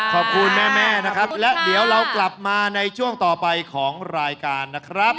คุณแม่นะครับและเดี๋ยวเรากลับมาในช่วงต่อไปของรายการนะครับ